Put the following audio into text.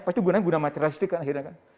pasti gunanya guna matrastik kan akhirnya kan